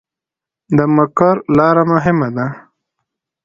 د مقر لاره مهمه ده